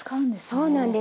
そうなんです。